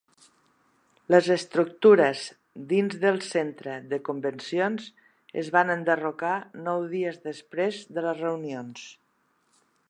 Les estructures dins del centre de convencions es van enderrocar nou dies després de les reunions.